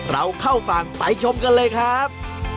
เราเข้าฝั่งไปชมกันเลยครับ